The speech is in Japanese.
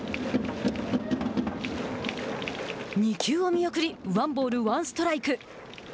２球を見送りワンボール、ワンストライク。